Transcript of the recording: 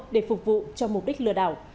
để phục vụ cho mục đích lừa đảo